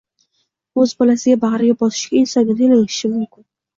o'z bolasini bag'riga bosishda insonga tenglashishi mumkin.